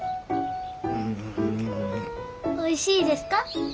おいしいですか？